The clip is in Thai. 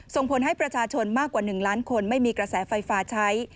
ส่งผลให้ประชาชนมากกว่า๑ล้านคนไม่มีกระแสไฟฟ้าใช้